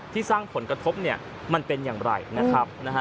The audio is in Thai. สร้างผลกระทบเนี่ยมันเป็นอย่างไรนะครับ